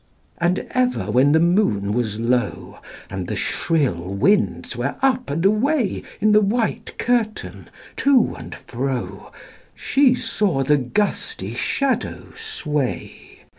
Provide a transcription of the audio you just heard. And ever when the moon was low, And the shrill winds were up and away In the white curtain, to and fro, She saw the gusty shadow sway.